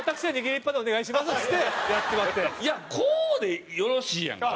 いやこうでよろしいやんか。